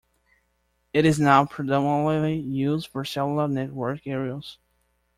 It is now predominantly used for cellular network aerials.